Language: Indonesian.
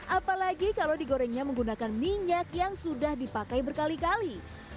apalagi kalau digorengnya menggunakan minyak yang sudah dipakai berkali kali